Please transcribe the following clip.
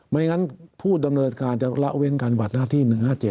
ไม่งั้นผู้ดำเนินการจะละเว้นการบัดหน้าที่๑๕๗